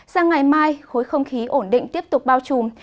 sang ngày mai khối không khí ổn định tiếp tục bao trùm